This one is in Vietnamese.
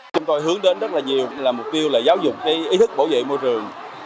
chúng tôi hướng đến rất là nhiều mục tiêu là giáo dục ý thức bảo vệ môi trường